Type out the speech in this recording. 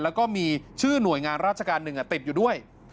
แล้วก็มีชื่อหน่วยงานราชการหนึ่งติดอยู่ด้วย